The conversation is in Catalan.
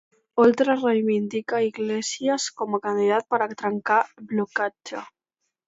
Oltra reivindica Iglesias com a candidat per a trencar el blocatge.